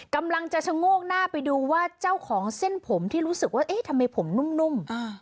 กำลังจะชะโงกหน้าไปดูว่าเจ้าของเส้นผมที่รู้สึกว่าเอ๊ะทำไมผมนุ่ม